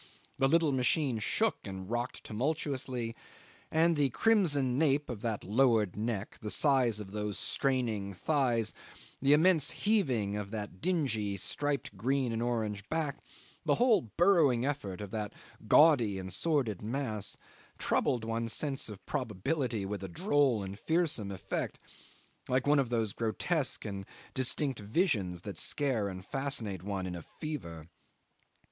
The little machine shook and rocked tumultuously, and the crimson nape of that lowered neck, the size of those straining thighs, the immense heaving of that dingy, striped green and orange back, the whole burrowing effort of that gaudy and sordid mass, troubled one's sense of probability with a droll and fearsome effect, like one of those grotesque and distinct visions that scare and fascinate one in a fever.